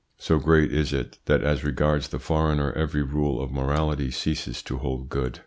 So great is it, that as regards the foreigner every rule of morality ceases to hold good.